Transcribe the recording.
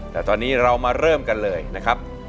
แต่ตอนนี้เรามาเริ่มกันเลยนะครับ